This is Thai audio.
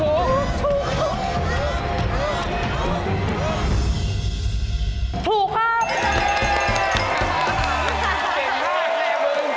ขอบคุณครับ